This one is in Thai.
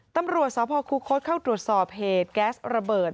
ตำรวจสพคุคศเข้าตรวจสอบเหตุแก๊สระเบิด